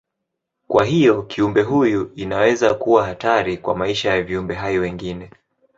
Kwa hivyo kiumbe huyu inaweza kuwa hatari kwa maisha ya viumbe hai wengine.